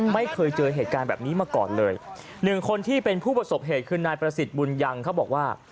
ไม่เคยเจอเหตุการณ์แบบนี้มาก่อนเลยหนึ่งคนที่เป็นผู้ประสบเหตุคือนายประสิทธิ์บุญยังเขาบอกว่า